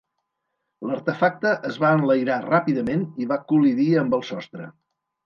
L'artefacte es va enlairar ràpidament i va col·lidir amb el sostre.